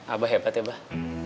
abah hebat ya pak